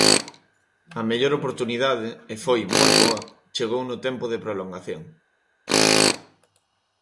A mellor oportunidade, e foi moi boa, chegou no tempo de prolongación.